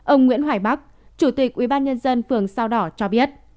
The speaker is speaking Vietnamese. ông nguyễn hoài bắc chủ tịch ubnd phường sao đỏ cho biết